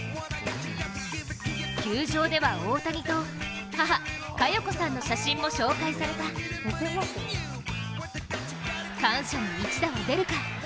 球場では大谷と母・加代子さんの写真も紹介された感謝の一打は出るか？